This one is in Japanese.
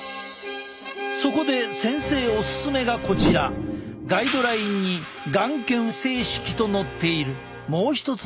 そこで先生オススメがこちらガイドラインに眼瞼清拭と載っているもう一つの方法。